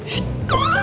sstt gak boleh gitu bang